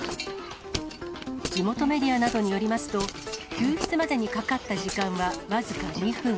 地元メディアなどによりますと、救出までにかかった時間は僅か２分。